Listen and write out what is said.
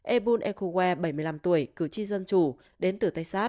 ebon ekowe bảy mươi năm tuổi cử tri dân chủ đến từ texas